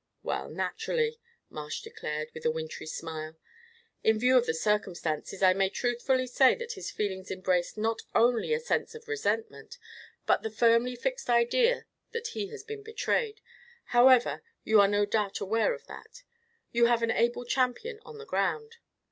"Well, naturally," Marsh declared, with a wintry smile. "In view of the circumstances I may truthfully say that his feelings embrace not only a sense of resentment, but the firmly fixed idea that he has been betrayed however, you are no doubt aware of all that. You have an able champion on the ground."